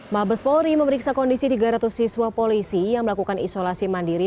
mabes polri memeriksa kondisi tiga ratus siswa polisi yang melakukan isolasi mandiri